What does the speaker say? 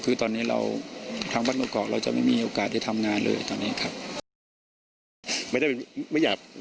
คือตอนนี้เราทางวัดมเกาะเราจะไม่มีโอกาสได้ทำงานเลยตอนนี้ครับ